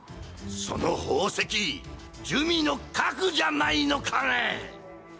その宝石珠魅の核じゃないのかね